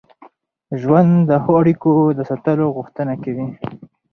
ژوند د ښو اړیکو د ساتلو غوښتنه کوي.